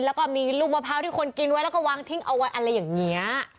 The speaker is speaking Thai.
แล้วก็มีลูกมะพร้าวที่คนกินไว้แล้วก็วางทิ้งเอาไว้อะไรอย่างนี้